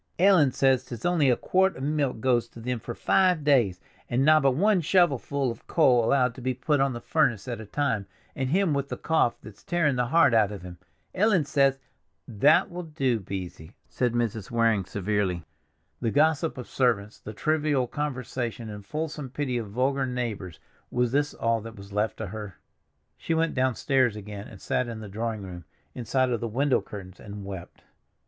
Ellen says 'tis only a quart of milk goes to them for five days, and nobbut one shovelful of coal allowed to be put on the furnace at a time, and him with the cough that's tearing the heart out of him! Ellen says—" "That will do, Beesy," said Mrs. Waring severely. The gossip of servants, the trivial conversation and fulsome pity of vulgar neighbors, was this all that was left to her? She went downstairs again, and sat in the drawing room, inside of the window curtains, and wept.